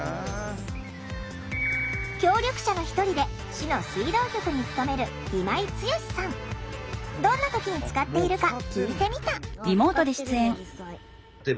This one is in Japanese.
協力者の一人で市の水道局に勤めるどんな時に使っているか聞いてみた。